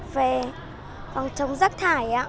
về phòng chống rác thải